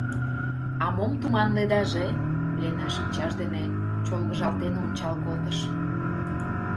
— А мом туманледаже, — Лена шинчаж дене чолгыжалтен ончал колтыш.